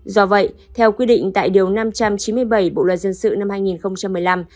do vậy theo quy định tại điều năm trăm chín mươi bảy bộ luật dân sự năm hai nghìn một mươi năm